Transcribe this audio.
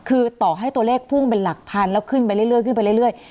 คือต่อให้ตัวเลขพุ่งเป็นหลักพันธุ์แล้วขึ้นไปเรื่อย